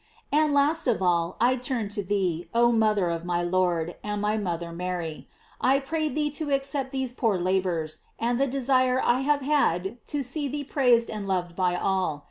And last of all, I turn to thee, oh mother of my Lord, and my mother Mary. I pray thee to accept these my poor labors, and the desire I have had to see thee praised and loved by all.